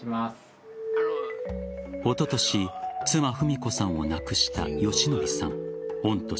おととし、妻・文子さんを亡くした良則さん。